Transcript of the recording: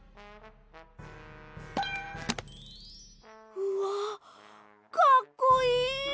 うわっかっこいい。